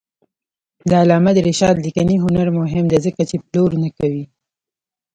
د علامه رشاد لیکنی هنر مهم دی ځکه چې پلور نه کوي.